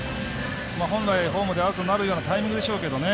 本来、ホームでアウトになるようなタイミングでしょうけどね。